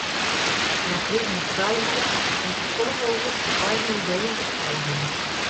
Hja krigen de frijheid om safolle mooglik har eigen ideeën te folgjen.